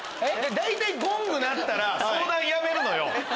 大体ゴング鳴ったら相談やめるのよ。